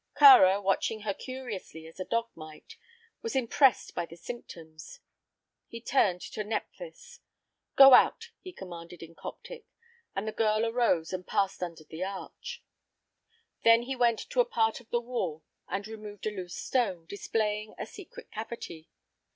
Kāra, watching her curiously, as a dog might, was impressed by the symptoms. He turned to Nephthys. "Go out," he commanded, in Coptic, and the girl arose and passed under the arch. Then he went to a part of the wall and removed a loose stone, displaying a secret cavity.